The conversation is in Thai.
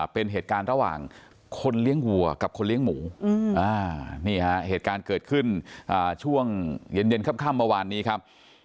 เป็นเหตุการณ์ระหว่างคนเลี้ยงวัวกับคนเลี้ยงหมูนี่ฮะเหตุการณ์เกิดขึ้นช่วงเย็นค่ำเมื่อวานนี้ครับ